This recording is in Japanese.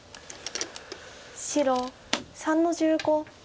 白３の十五。